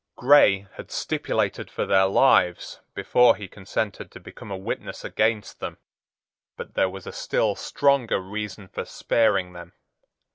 Grey had stipulated for their lives before he consented to become a witness against them. But there was a still stronger reason for sparing them.